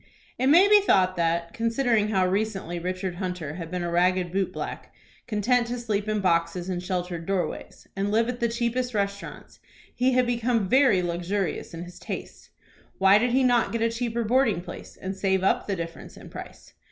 It may be thought that, considering how recently Richard Hunter had been a ragged boot black, content to sleep in boxes and sheltered doorways, and live at the cheapest restaurants, he had become very luxurious in his tastes. Why did he not get a cheaper boarding place, and save up the difference in price?